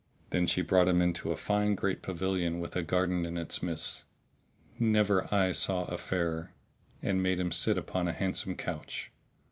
Then she brought him into a fine great pavilion, with a garden in its midst, never eyes saw a fairer; and made him sit upon a handsome couch.